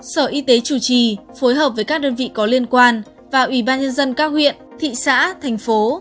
sở y tế chủ trì phối hợp với các đơn vị có liên quan và ủy ban nhân dân các huyện thị xã thành phố